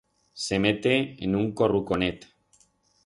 Se mete en un corruconet.